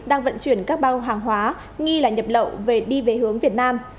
đang vận chuyển các bao hàng hóa nghi là nhập lậu về đi về hướng việt nam